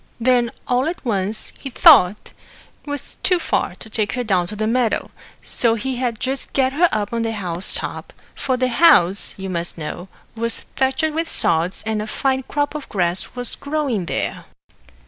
Then all at once he thought 'twas too far to take her down to the meadow, so he'd just get her up on the house top for the house, you must know, was thatched with sods, and a fine crop of grass was growing there.